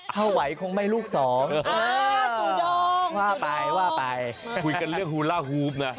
ถ้าไหวคงไม่ลูกสองว่าไปว่าไปคุยกันเรื่องฮูล่าฮูฟนะ